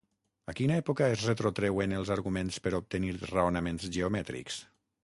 A quina època es retrotreuen els arguments per obtenir raonaments geomètrics?